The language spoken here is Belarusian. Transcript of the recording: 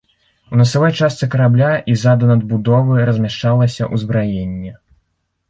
У насавой частцы карабля і ззаду надбудовы размяшчалася ўзбраенне.